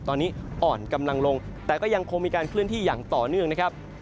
ตอนนี้อ่อนกำลังลงแต่ก็ยังคงมีการเคลื่อนที่อย่างต่อเนื่องนะครับ